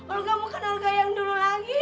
olga bukan olga yang dulu lagi